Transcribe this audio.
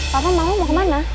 pak mau mau mau kemana